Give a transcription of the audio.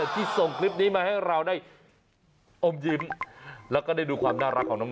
ที่ส่งคลิปนี้มาให้เราได้อมยิ้มแล้วก็ได้ดูความน่ารักของน้อง